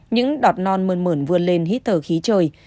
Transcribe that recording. những đọt non mờn mờn vươn lên hít thở khí trời